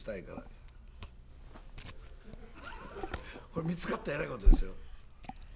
これ見つかったらえらい事ですよ。